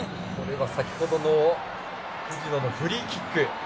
先ほどの藤野のフリーキック。